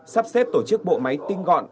sắp xếp tổ chức bộ máy tinh gọn